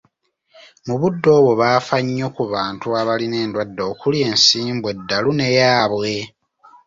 Mu budde obwo baafa nnyo ku bantu abalina endwadde okuli; ensimbu, eddalu, n'eyaabwe